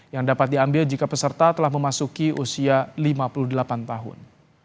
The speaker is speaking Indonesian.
yang dapat diambil jika peserta telah memasuki usia lima puluh delapan tahun